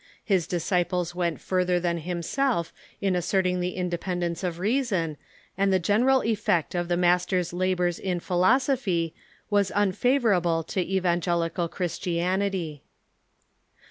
His disciples went further than himself in asserting the independence of reason, and the general eifect of the master's labors in philosophy was unfavorable to evangelical Chris tianity.